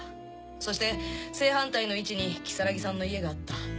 そして正反対の位置に如月さんの家があった。